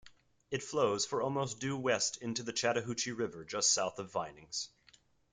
It flows for almost due west into the Chattahoochee River just south of Vinings.